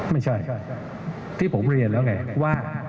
ไม่ใช่ที่ผมเรียนแล้วไงว่า